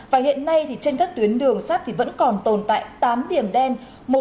và hiện nay trên các tuyến đường sắt thì vẫn còn tồn tại tám điểm đen